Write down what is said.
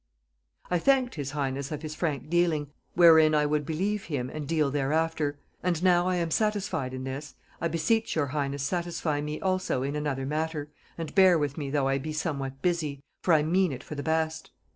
"I thanked his highness of his frank dealing, wherein I would believe him and deal thereafter, 'And now I am satisfied in this, I beseech your highness satisfy me also in another matter, and bear with me though I be somewhat busy, for I mean it for the best.